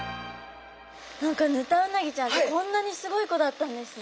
何かヌタウナギちゃんってこんなにすごい子だったんですね。